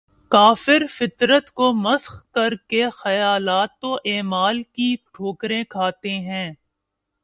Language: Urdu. کافر فطرت کو مسخ کر کے خیالات و اعمال کی ٹھوکریں کھاتے ہیں